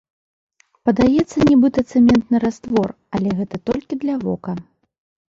Падаецца нібыта цэментны раствор, але гэта толькі для вока.